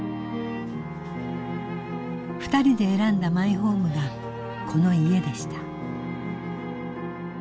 ２人で選んだマイホームがこの家でした。